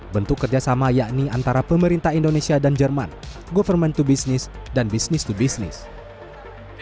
bentuk kerjasama yakni antara pemerintah indonesia dan jerman government to business dan business to business